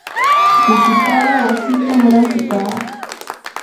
mishipaa wasitam ranti kaa.